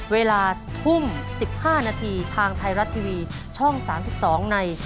เวลาทุ่ม๑๕นาทีทางไทยรัฐทีวีช่อง๓๒ใน